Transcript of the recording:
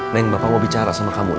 neng bapak mau bicara sama kamu